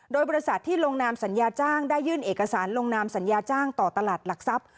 โดยบริษัทที่ลงนามสัญญาจ้างได้ยื่นเอกสารลงนามสัญญาจ้างต่อตลาดหลักทรัพย์